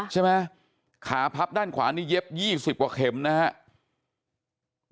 ใช่ไหมขาพับด้านขวานี่เย็บยี่สิบกว่าเข็มนะฮะ